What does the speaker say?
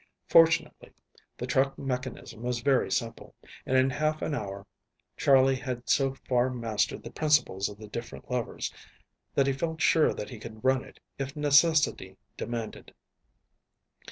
Fortunately the truck mechanism was very simple. And in half an hour Charley had so far mastered the principles of the different levers that he felt sure that he could run it if necessity demanded.